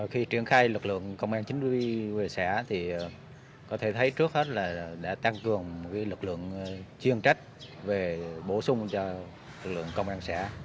khi triển khai lực lượng công an chính quy về xã thì có thể thấy trước hết là đã tăng cường lực lượng chuyên trách về bổ sung cho lực lượng công an xã